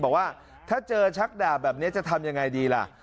บอกว่าถ้าเจอชักดาบแบบนี้จะทำยังไงดีล่ะ